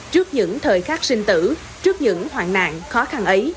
trước những thời khắc sinh tử trước những hoạn nạn khó khăn ấy